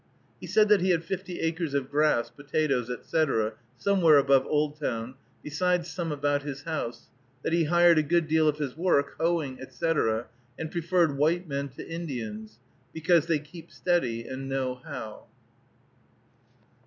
He said that he had fifty acres of grass, potatoes, etc., somewhere above Oldtown, besides some about his house; that he hired a good deal of his work, hoeing, etc., and preferred white men to Indians, because "they keep steady, and know how."